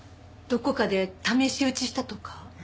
どこかで試し撃ちしたとか？